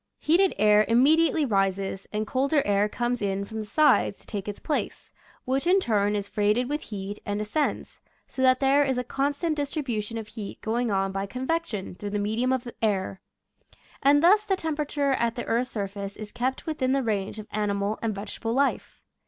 Ileated air immediately rises, and colder air comes in from the sides to take its place, which in turn is freighted with heat and as cends, so that there is a constant distribution of heat going on by convection through the medium of the air. And thus the temperature at the earth's surface is kept within the range of animal and vegetable life.